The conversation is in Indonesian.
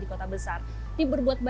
kita bisa berpengalaman